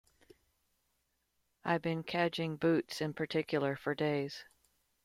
I've been cadging boots — in particular — for days.